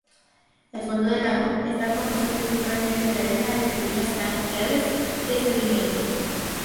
El fondo del lago está compuesto principalmente de arena y pequeñas cantidades de sedimento.